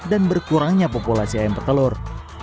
dan berkurangnya populasi ayam petelur